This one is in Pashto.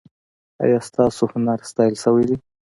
ایا ستاسو هنر ستایل شوی دی؟